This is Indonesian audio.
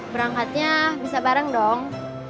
berangkatnya bisa bareng dong